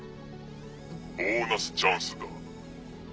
ボーナスチャンスだ。